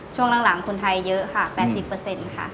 ช่วงหลังคนท้ายเยอะค่ะ